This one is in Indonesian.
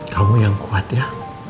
kamu yang kuat ya